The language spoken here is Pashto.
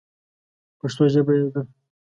پښتو ژبه یې ده.